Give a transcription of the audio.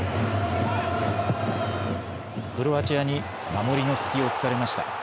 クロアチアに守りの隙を突かれました。